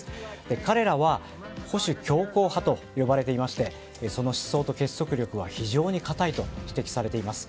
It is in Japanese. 彼らは、保守強硬派と呼ばれていましてその思想と結束力は非常に固いと指摘されています。